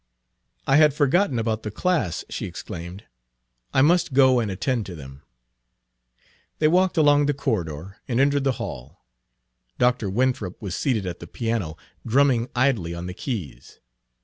"I had forgotten about the class," she exclaimed. "I must go and attend to them." Page 58 They walked along the corridor and entered the hall. Dr. Winthrop was seated at the piano, drumming idly on the keys.